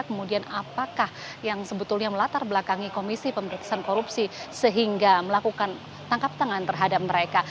kemudian apakah yang sebetulnya melatar belakangi komisi pemberantasan korupsi sehingga melakukan tangkap tangan terhadap mereka